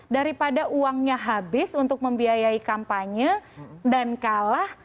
daripada uangnya habis untuk membiayai kampanye dan kalah